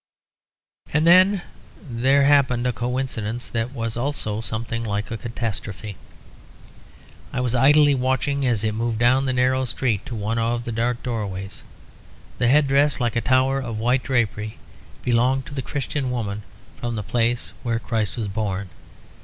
And just then there happened a coincidence that was also something like a catastrophe. I was idly watching, as it moved down the narrow street to one of the dark doorways, the head dress, like a tower of white drapery, belonging to the Christian woman from the place where Christ was born.